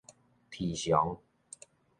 喋常